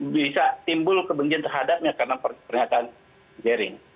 bisa timbul kebencian terhadapnya karena pernyataan jering